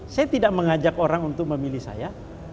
saya tidak mengajak orang untuk memilih saya